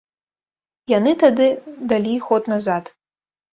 Яны тады далі ход назад.